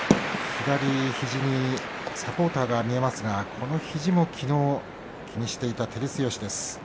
左肘にサポーターが見えますがこの肘もきのう気にしていた照強です。